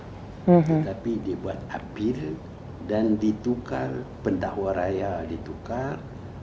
tetapi dibuat apir dan ditukar pendahua raya ditukar